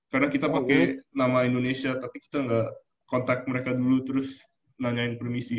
karena kita pake nama indonesia tapi kita ga kontak mereka dulu terus nanyain permisi